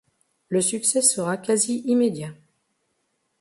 Le succès sera quasi immédiat.